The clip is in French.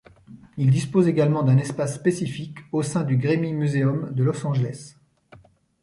Il dispose également d'un espace spécifique au sein du Grammy Museum de Los Angeles.